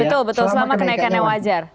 betul betul selama kenaikannya wajar